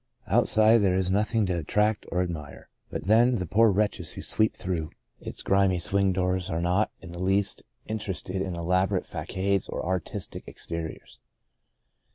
Outside, there is nothing to attract or admire; but then, the poor wretches who sweep through 43 44 l^e Profundis its grimy swing doors are not, in the least, interested in elaborate fagades or artistic ex teriors.